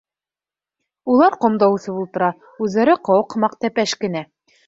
Улар ҡомда үҫеп ултыра, үҙҙәре ҡыуаҡ һымаҡ тәпәш кенә.